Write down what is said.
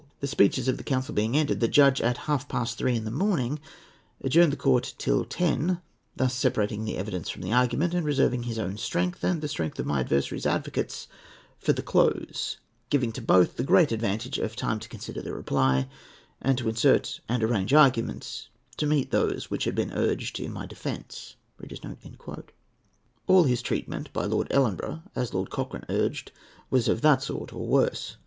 The speeches of the counsel being ended, the judge, at half past three in the morning, adjourned the court till ten; thus separating the evidence from the argument, and reserving his own strength, and the strength of my adversaries' advocates, for the close; giving to both the great advantage of time to consider the reply, and to insert and arrange arguments to meet those which had been urged in my defence." All his treatment by Lord Ellenborough, as Lord Cochrane urged, was of that sort, or worse.